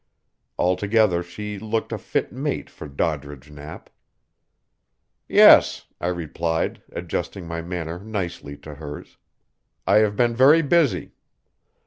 Altogether she looked a fit mate for Doddridge Knapp. "Yes," I replied, adjusting my manner nicely to hers, "I have been very busy."